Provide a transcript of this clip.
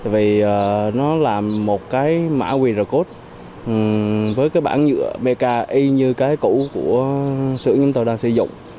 vì nó là một cái mã qr code với cái bảng mê ca y như cái cũ của sữa chúng tôi đang sử dụng